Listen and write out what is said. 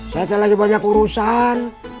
saya lagi banyak urusan